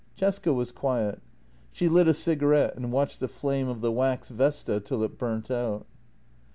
Cesca was quiet. She lit a cigarette and watched the flame of the wax vesta till it burnt out.